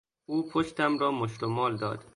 او پشتم را مشت و مال داد.